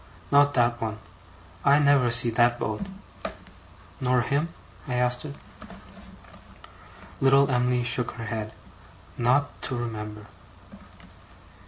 Not that one, I never see that boat.' 'Nor him?' I asked her. Little Em'ly shook her head. 'Not to remember!